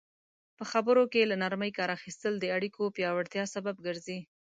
په خبرو کې له نرمي کار اخیستل د اړیکو پیاوړتیا سبب ګرځي.